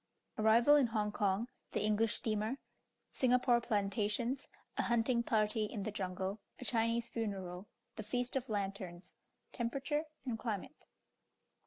ARRIVAL IN HONG KONG THE ENGLISH STEAMER SINGAPORE PLANTATIONS A HUNTING PARTY IN THE JUNGLE A CHINESE FUNERAL THE FEAST OF LANTERNS TEMPERATURE AND CLIMATE.